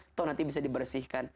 atau nanti bisa dibersihkan